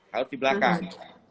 harus di belakang